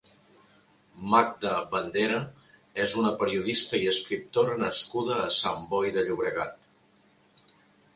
Magda Bandera és una periodista i escriptora nascuda a Sant Boi de Llobregat.